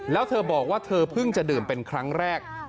แล้วเธอบอกว่าเธอเพิ่งจะดื่มเป็นครั้งแรก